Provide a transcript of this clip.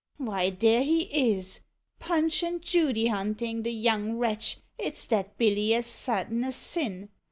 55 Why, there he is! Punch and Judy hunting, the young wretch, it 's that Billy as sartin as sin!